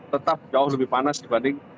tetap jauh lebih panas dibanding